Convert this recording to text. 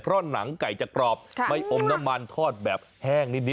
เพราะหนังไก่จะกรอบไม่อมน้ำมันทอดแบบแห้งนิด